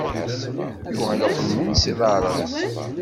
Yuɣal uqelmun s iḍaṛṛen.